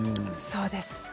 そうです。